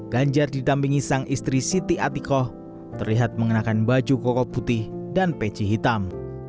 ganjar didampingi sang istri siti atikoh terlihat mengenakan baju kokoh putih dan peci hitam